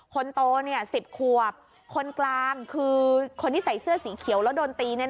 คนโต๑๐ขวบคนกลางคือคนที่ใส่เสื้อสีเขียวแล้วโดนตี